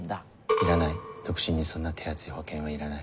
いらない独身にそんな手厚い保険はいらない。